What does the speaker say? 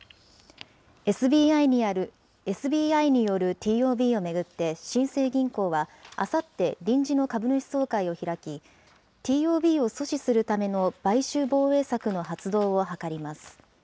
ＳＢＩによるＴＯＢを巡って新生銀行は、あさって臨時の株主総会を開き、ＴＯＢを阻止するための買収防衛策の発動を諮ります。